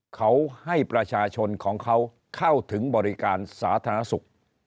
เขาให้ประชาชนของเขาเข้าถึงบริการสาธารณสุข